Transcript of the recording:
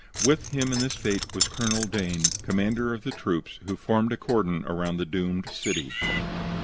With him in this fate was Colonel Dain, commander of the troops who formed a cordon round the doomed city.